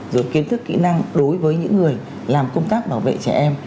rồi kiến thức kỹ năng đối với những người làm công tác bảo vệ trẻ em